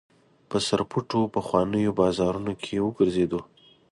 په سرپټو پخوانیو بازارونو کې وګرځېدو.